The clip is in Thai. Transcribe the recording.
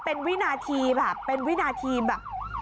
เป็นวินาทีเปรราะ